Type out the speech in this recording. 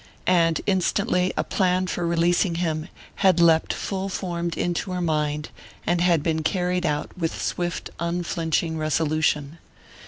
And instantly a plan for releasing him had leapt full formed into her mind, and had been carried out with swift unflinching resolution.